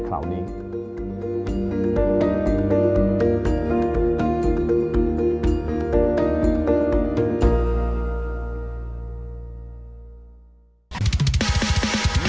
การเลือกตัว